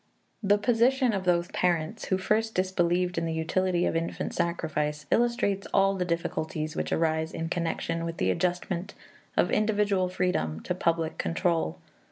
The position of those parents who first disbelieved in the utility of infant sacrifice illustrates all the difficulties which arise in connection with the adjustment of individual freedom to public control.